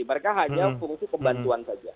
mereka hanya fungsi pembantuan saja